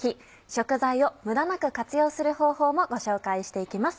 食材を無駄なく活用する方法もご紹介していきます。